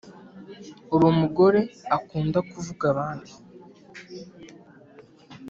uri mugore akunda kuvuga abandi